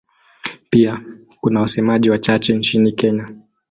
Pia kuna wasemaji wachache nchini Kenya.